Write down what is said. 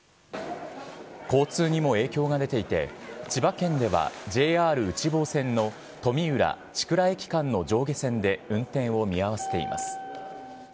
交通にも影響が出ていて、千葉県では、ＪＲ内房線の冨浦・千倉駅間の上下線で運転を見合わせています。